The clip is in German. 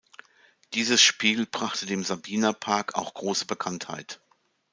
Dieses Spiel brachte dem Sabina Park auch große Bekanntheit.